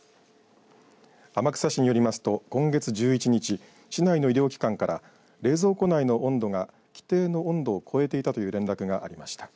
天草市によりますと、今月１１日市内の医療機関から冷蔵庫内の温度が規定の温度を超えていたという連絡がありました。